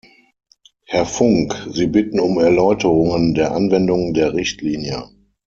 Herr Funk, Sie bitten um Erläuterungen der Anwendung der Richtlinie.